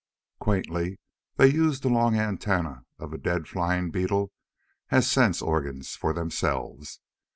Quaintly, they used the long antennae of a dead flying beetle as sense organs for themselves.